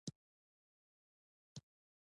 د افغانستان په منظره کې مورغاب سیند ښکاره دی.